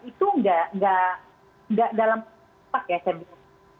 itu tidak dalam setiap tempat ya